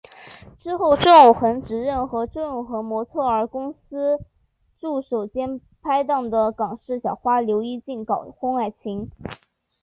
之后周永恒直认和周永恒模特儿公司助手兼拍档的港视小花刘依静搞婚外情。